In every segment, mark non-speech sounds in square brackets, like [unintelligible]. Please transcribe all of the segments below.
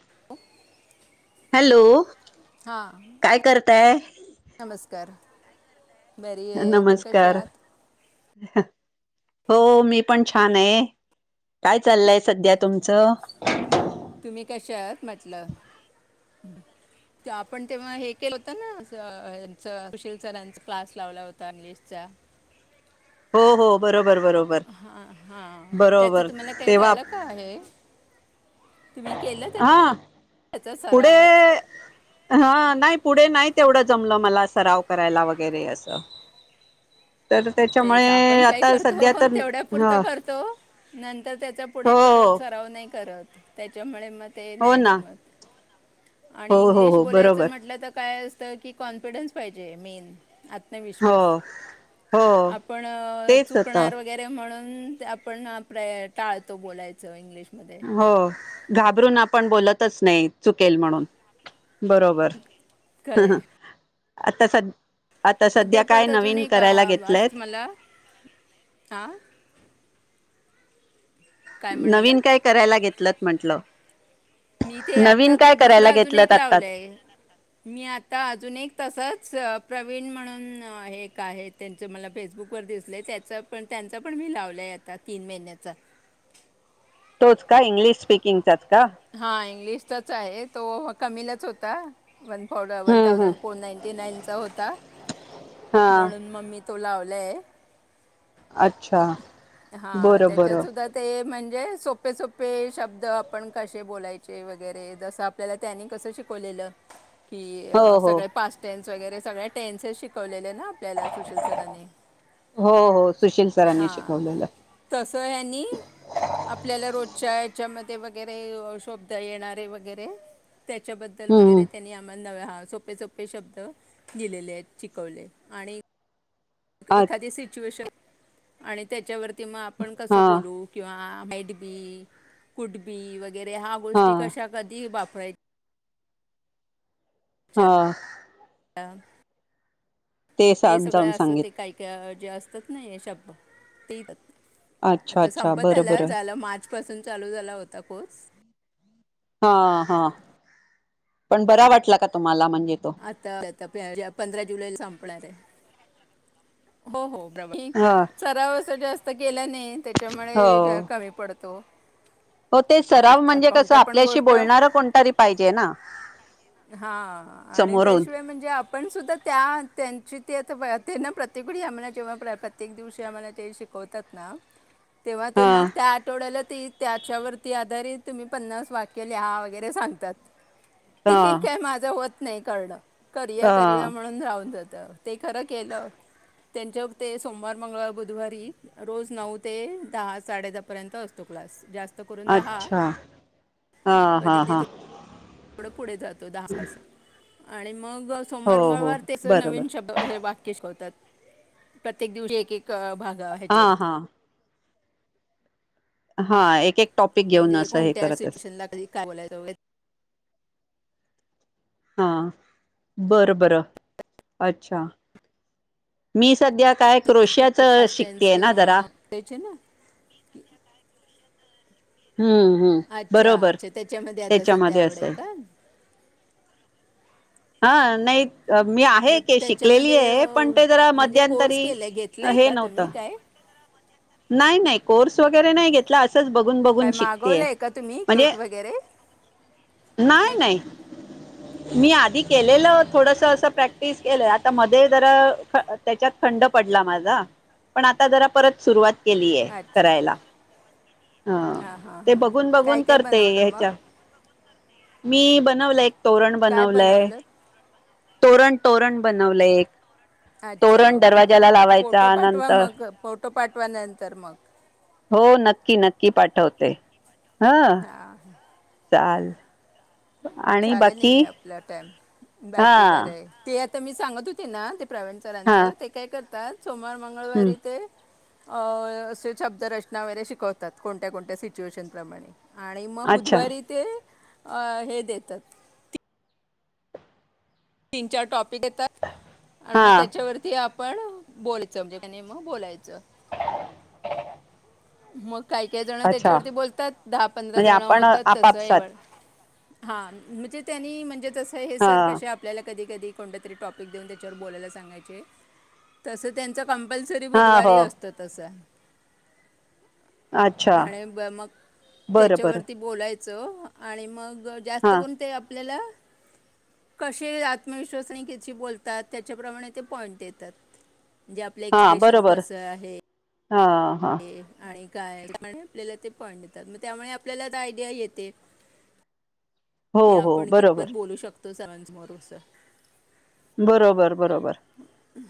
[inaudible] Hello काय हां करताय नमस्कार. बरी आहे तुम्ही कशा नमस्कार आहात? [inaudible] हो मी पण छान आहे. काय चाललय सध्या तुमच? तुम्ही कशा आहात म्हटल? [inaudible] आपण तेव्हा हे केल होत ना असं यांचं सुशील सरांचा क्लास लावला होता इंग्लिशचा. हो हो बरोबर बरोबर त्याचं बरोबर तुम्हाला काही तेव्हा झालं [inaudible] का हे तुम्ही केल हां पुढे हा नाही पुढे नाही तेवढ जमल मला सराव करायला वगैरे अस. [inaudible] तेच आपण काय आता सध्या करतो तर तेवढ्यापुरत ह करतो. नंतर त्याचा पुढे हो परत सराव नाही करत त्याच्यामुळे मग ते हो नाही ना जमत हो आणि. हो इंग्लिश हो बोलायच बरोबर म्हटल तर काय की कॉन्फिडंन्स पाहिजे मेन हो आत्मविश्वास. हो आपण तेच होत चुकणार वगैरे वगैरे म्हणून आपण टाळतो बोलायच इंग्लिशमध्ये. हो घाबरून आपण बोलतच नाही चुकेल म्हणून. बरोबर खरंय आता स आता सध्या काय परत अजून नवीन एक करायला अ, घेतलयत? आ काय नवीन म्हणालात काय करायला घेतलत म्हंटल? मी ते आत्ताच दुसरा अजून एक लावलाय. मी आता अजून एक तसाच प्रवीण म्हणून एक आहेत. त्यांच मला फेसबुकवर दिसलय त्याच पण त्यांच पण मी लावलाय आता तीन महिन्याचा. तोच का इंग्लिश स्पीकिंगचा का? हा इंग्लिशचाच आहे तो कमीलाच होता. One one hmm thousand hmm four ninety नाईनचा होता हा म्हणून मी तो लावलाय अच्छा हां बरं त्याच्यात बरं सुद्धा ते म्हणजे सोपे सोपे शब्द आपण कशे बोलायचे वगैरे जस आपल्याला त्यांनी कस शिकवलेल. की हो हो सगळे पास टेन्स वगैरे सगळ्या टेन्सेस शिकवलेले ना. आपल्याला सुशील सरानी हो हो सुशील सरांनी हां शिकवलेलं तस ह्यांनी आपल्याला रोजच्या याच्यामध्ये व शोभत येणारे वगैरे त्याच्याबद्दल हम्म वगैरे त्यांनी नव हा सोपे सोपे शब्द दिलेले आहेत शिकवले, आणि अच्छा एखादी सिच्युएशन आणि त्याच्यावरती मग आपण कस हा बोलू? किंवा मेठबी कुटबी वगैरे ह्या हा गोष्टी कशा कधी वापरा हा ते हे समजावून सगळं असं सांगित ते काही ते जे असतात ना शब् ते अच्छा आता अच्छा बरं संपला बरं झाल मा पासून चालू झाला होता कोर्स हा हा पण बरा वाटला का तुम्हाला म्हणजे तो आता पंधरा जुलैला संपणार आहे हो हो बरोबर हा सराव अस जास्त केल्याने त्याच्यामुळे हो कमी पडतो हो ते सराव म्हणजे कसं कोणत्या पण आपल्याशी गोष्ट बोलणार कोणतर पाहिजे ना हा आणि समोरून त्याशिवाय म्हणजे आप पण सुुद्धा त्या त्यांची ते आता वयात हे ना प्रत्येकवेळी आम्हाला जेव्हा प्रत्येक दिवशी आम्हाला जे शिक होतात ना तेव्हा ते मग हा त्या आठवड्याला ती त्याच्यावरती आधारित तुम्ही पन्नास वाक्य लिहा वगैरे सांगतात ते हा काय माझं होत नाही करणं करया हा करया म्हणून राहून जातं ते खरं केलं त्यांच्या ते सोमवार मंगळवार बुधवारी रोज नऊ ते दहा साडे दहा पर्यंत असतो क्लास जास्त करून दहा अच्छा हा कधी हा कधी हा थोडं पुढे जातो दहा वाजता आणि मग हो सोमवार हो मंगळवार त्याच बरोबर नवीन शब्द हे वाक्य शिकावतात प्रत्येक दिवशी एक एक भाग आहेत हा वरती हा हा एक एक टॉपिक घेऊन म्हणजे असं हे कोणत्या करतच सिच्युएशनला कधी काय बोलायच हा बरं बरं अच्छा मी सध्या काय क्रोशयाच पास्ट टेन्स शिकतेय ना जरा किंवा त्याचे ना मीख्या काय घे तर हम्म हम्म बरोबर आता सध्या त्याच्यामध्ये आवड आहे असेल का हा नाही मी आहे मग ते शिकलेली त्याच्यामध्ये अ, आहे पण ते जरा म्हणजे कोर्स मध्यांतरी केलाय घेतलाय हे का नव्हतं तुम्ही काय नाही नाही कोर्स वगैरे नाही घेत असंच बघून काय बघून शिकतेय मागवलंय का तुम्ही म्हणजे किट वगैरे नाही एक नाही मी आधी केलेलं थोडस अस प्रॅक्टिस केलं आता मध जे जरा त्याच्यात खंड पडला माझा पण आता जरा परतं सुरुवात केलीय अच्छा करायला ह् हां हां ते हां बघून हां काय बघून काय करतेय बनवलं मग हच्या मी बनवलं एक तोरण काय बनवलंय बनवलं तोरण तोरण बनवलंय एक अच्छा तोरण ओके दरवाज्याला फोटो लावायचा पाठवा नंतर मग फोटो पाठवानंतर मग हो नक्की नक्की पाठवते. हा चाल. आणि झालं बाकी नाही आपला टाईम हा बाकी बरं आहे. ते आता मी सांगत होते ना ते प्रवीण हा सरांचं ते काय करतात सोमवार मगळ हम्म मंगळवारी ते अ असे शब्दरचना वगैरे शिकवतात कोणत्या कोणत्या सिच्युएशन प्रमाणे आणि म अच्छा बुधवारी ते हे देतात. तीन तीन, चार टॉपिक येतात आणि हा मग त्याच्यावरती आप पण बोलायचं म्हणजे कनी मग बोलायचं मग काही, काही जण अच्छा त्याच्यावरती बोलतात दहा, पंधरा म्हणजे जण आपण होतात तसं आपापसात एव हा म्हणजे त्यांनी म्हणजे तसं हे हा सर कशे आपल्याला कधी, कधी कोणत तरी टॉपिक देऊन त्याच्यावर बोलायला सांगायचे तसं त्यांचा कंपल्सरी हा हो बुधवारी असत तसं. अच्छा आणि ब मग बरं बरं त्याच्यावरती बोलायचं आणि मग हा जास्त कोण ते आपल्याला कसे आत्मविश्वास आणि किती बोलतात त्याच्याप्रमाणे ते पॉइंट देतात. म्हणजे आपलं हा एक्स्प्रेशन बरोबर कसं आहे हा हा. आणि काय आपल्याला ते पॉईंट देतात मग त्यामुळे आपल्याला आयडिया येते हो की हो आपण बरोबर कितपत बोलू शकतो सरांन समोर असं. बरोबर, बरोबर.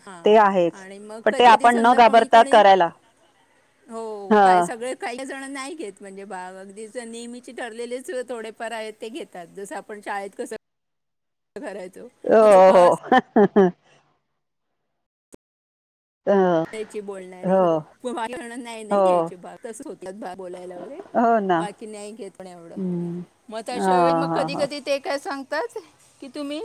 हा ते आहेच आणि मग पण ते कधी, कधी आपण न समजा कोणी, घाबरता कोणी करायला हो हा काय सगळे काही जणं नाही घेत म्हणजे भाग अगदीच नेहमीची ठरलेलीच थोडेफार आहेत. ते घेतात जसं आपण शाळेत कसं करायचो. लोक हो. अ, घ्यायची बोलणारी हो म्ह नाही, हो नाही घ्यायची भाग तस होत बोलायला वगैरे हो ना बाकी नाही घेत पण एवढं हम्म मग हा अशा वेळी मग हा कधी, हा कधी ते काय सांग ताच की तुम्ही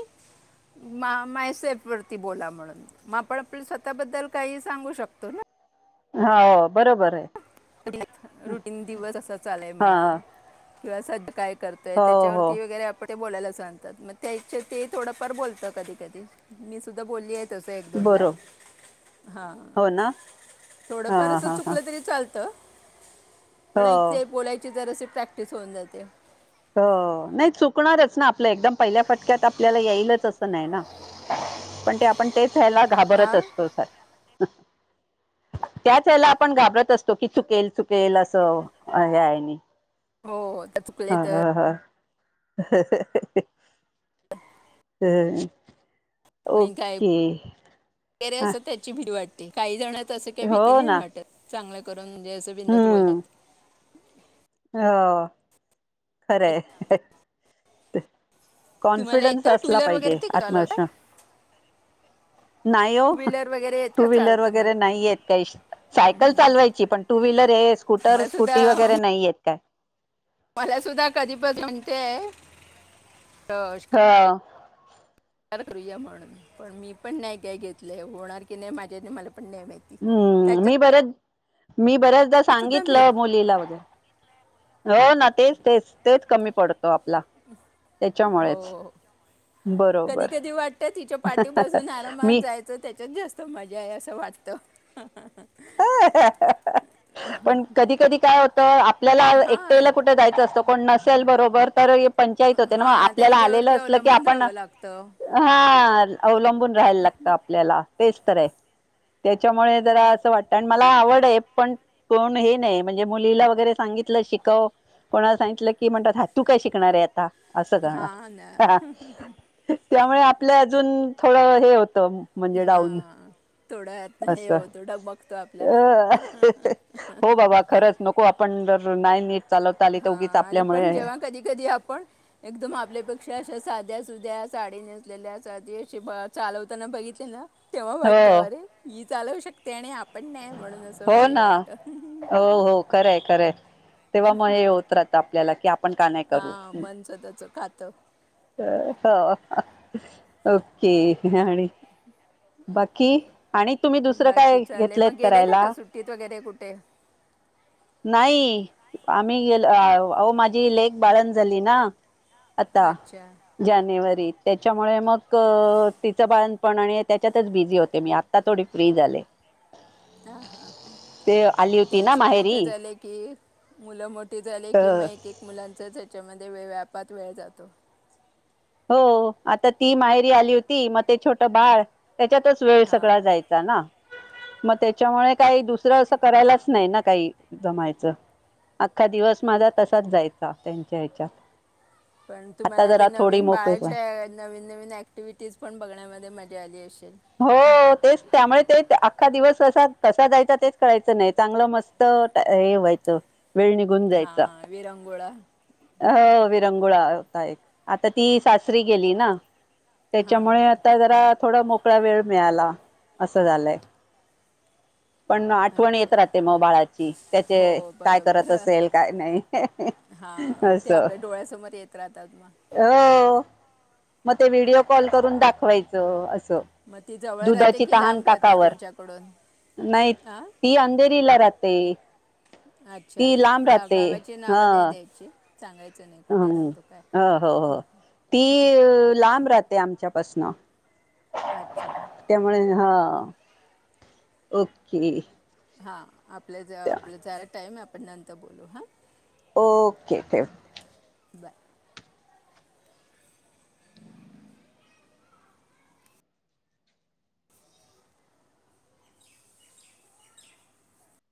मा मायसेफ वरती बोला म्हणून मग आपण आपल्या स्वतःबद्दल काहीच सांगू शकतो ना. हाव बरोबर आहे. रुटीन दिवस असा चालय हा म्हणा किंवा सध्या काय करताय हो हो त्याच्यावरती वगैरे आपण ते बोलायला सांगतात मग त्या हिच्यात ते थोडंफार बोलतं कधी कधी मी सुद्धा बोलली आहे ते तसं एक, दोनदा बरो हा हो ना थोड हा फार हा हा चुकलं असं तरी चाल त पण हो एकते बोलायची जराशी प्रॅक्टिस होऊन जाते. हो नाही चुकणारच ना आपलं एकदम पहिल्या पट्यात आपल्याला येईलच असं नाही ना पण ते आपण तेच व्यायला घाबरत हा असतो अस त्याच वेळेला आपण घाबरत असतो की चुकेल चुके चुकेल असं हे आहे आणि हो त्याच हा हा हा. [inaudible] ह, ह [unintelligible] आणि काय [inaudible] हा, असं त्याची भी वाटते, काही जणच असं की भीती हो नाही ना वाटत. चांगले करून जे अस बिनधास्त बोलतात. हम्म हो, खरंय. तुम्हाला कॉन्फिडन्स येतं टू असला व्हीलर वगैरे पाहिजे, ते का चालवता आत्मविश नाही हो, टू व्हीलर वगैरे येत टू का व्हीलर चालवतं वगैरे मला नाही येत काही सायकल चालवायची पण टू व्हीलर हे स्कूटर, मला स्कूटी सुद्धा वगैरे नाही येत काय. मला सुद्धा कधीपासून म्हणतेय, तश हा. विचार करूया म्हणून, पण मी पण नाही काय घेतलंय. होणार की नाही माझ्याने मला पण नाही माहिती. हम्म. मी त्याच्यात बरेच, मी बऱ्याचदा सुद्धा मी सांगितलं मुलीला वगैरे हो ना तेच. तेच तेच कमी पडत आपला त्याच्यामुळेच, हो कधी बरोबर. कधी मी तर त्याच्यात जास्त मजा आहे असं वाटतं. पण कधी कधी काय होत. तर आपल्याला हां एकट्याला कुठे जायचं असतं कोण नसेल बरोबर तरीही पंचायत होते ना. हां आपल्याला त्यांच्यावरती आलेलं असलं की अवलंबून आपण राहावं लागतं हा अवलंबून राहायला लागत आपल्याला. तेच तर आहे त्याच्यामुळे जरा वाटत. आणि मला आवड आहे. पण कोण हे नाही म्हणजे मुलीला वगैरे सांगितलं शिकव कोणाला सांगितलं की म्हणतात हा तू काय शिकणार आहे आता. असं का हां ना हा. [unintelligible] त्यामुळे आपल्या अजून थोडं हे होतं. म्हणजे डाऊन हां असं. तो आपला अ हो बाबा खरंच नको आपण जर नाही नीट चालवता आली तर हा उगीच आणि आपल्यामुळे पण जेव्हा कधी कधी आपण एकदम आपल्यापेक्षा अशा साध्या सुध्या साडी नेसलेल्या. साधी अशी चालवताना बघितल ना. तेव्हा वाटत. हो अरे, ही चालवू शक ते. आपण नाही म्हणून असं हे वाटत. खरय. खरंय. तेव्हा मग हे होत राहत आपल्याला की आप हा मन स्वतःच खात. हो. ओके. आणि [unintelligible] बाकी आणि तुम्ही बाकी? दुसरं बाकी. काय चालू आहे. घेतलंय मग गेलेलं करायला का सुट्टीत वगैरे कुठे? नाही. आम्ही गेलो. अ अहो माझी लेक बाळंत झाली ना. आता अच्छा जानेवारीत त्याच्यामुळे मग तिचं बाळंतपण आणि त्याच्यातच बिझी होते मी आत्ता थोडी फ्री झाले. हां हां हां. ते आली एक तेच, मोठे झाले की, मुलं मोठीे झाले की तर मग एकेक मुलांचाच हेच्यामध्ये वेळ आपोआप वेळ जातो. हो. आता ती माहेरी आली होती मग ते छोटं बाळ. त्याच्यातच वेळ सगळा हां जायचा ना. मग त्या त्याच्यामुळे काही दुसरं असं करायलाच नाही ना काही जमायचं. अख्खा दिवस माझा तसाच जायचा त्यांच्या ह्याच्यात. पण, आता तुम्हाला ते जरा थोडी नवीन मोकळी पण, बाळाचे नवीन नवीन अँक्टिव्हिटीज पण बघण्यामध्ये मजा आली असेल. हो. हो, तेच त्यामुळे तेच अख्खा दिवस अस कसा जायचा तेच कळायचं नाही. चांगलं मस्त हे व्हायचं. वेळ निघून जायचा. हां विरंगुळा हो वेळ विरगुळा व्हायचा. आता ती सासरी गेली ना हां त्याच्यामुळे आता जरा थोडा मोकळा वेळ मिळाला असं झालंय. पण आठवण येत अच्छा राहते मग बाळाची त्याचे हो काय करत असेल काय नाही. हा ते असं आपल्या डोळ्यासमोर येत राहतात न. हो मग ते व्हिडिओ कॉल करून दाखवायचं अ मग ती जवळ राहते की लांब राहते ताकावर तुमच्याकडून? नाही हां ती अंधेरीला राहते. अच्छा ती लांब राहते गावचे नाव हा नाही द्यायचे. सांगायचं नाही कुठे हम्म राहतो काय हो हो हो ती लांब राहते आमच्यापासनं. अच्छा. त्यामुळे हा. ओके. हा आपल्या आपला जरा टाईम आहे आपण नंतर बोलू हा. ओके, ठेव. बाय.